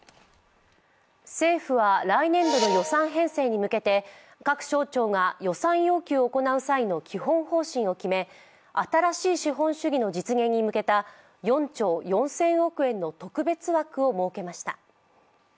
政府は来年度の予算編成に向けて各省庁が予算要求を行う際の基本方針を決め、新しい資本主義の実現に向けた４兆４０００億円の特別枠を設けました。